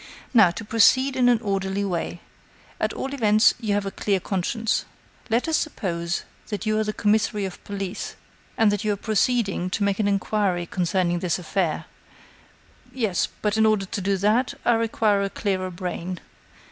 Now, to proceed in an orderly way. At all events, you have a clear conscience. Let us suppose that you are the commissary of police and that you are proceeding to make an inquiry concerning this affair Yes, but in order to do that, I require a clearer brain.